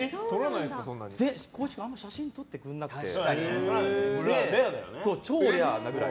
光一君、あんまり写真を撮ってくれなくて超レアなぐらい。